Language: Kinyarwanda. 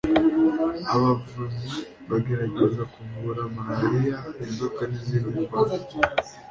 abavuzi bagerageza kuvura marariya, inzoka n’izindi ndwara.